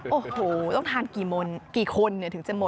โอ้โหต้องทานกี่คนถึงจะหมด